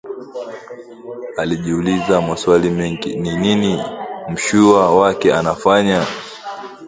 Alijiuliza maswali mengi, ni nini mshua wake anafanya?